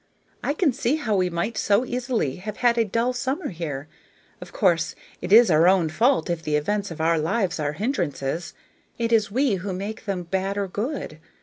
I can see how we might so easily have had a dull summer here. Of course it is our own fault if the events of our lives are hindrances; it is we who make them bad or good.